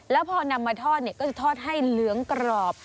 แล้วพอนำมาทอดก็จะทอดให้เหลืองกรอบ